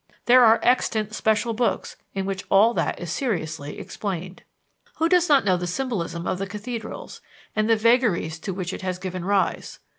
There are extant special books in which all that is seriously explained. Who does not know the symbolism of the cathedrals, and the vagaries to which it has given rise?